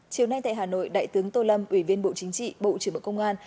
chiều nay tại hà nội đại tướng tô lâm ủy viên bộ chính trị bộ trưởng bộ công an